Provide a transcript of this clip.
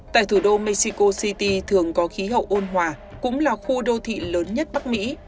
tại thủ đô mexico city thường có khí hậu ôn hòa cũng là khu đô thị lớn nhất bắc mỹ